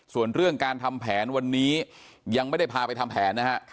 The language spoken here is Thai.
ส่วนเรื่องการทำแผนวันนี้ยังไม่ได้พาไปทำแผนนะฮะ